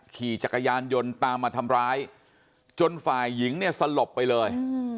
ขี่จักรยานยนต์ตามมาทำร้ายจนฝ่ายหญิงเนี่ยสลบไปเลย